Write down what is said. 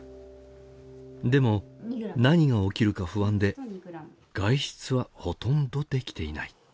でも何が起きるか不安で外出はほとんどできていない。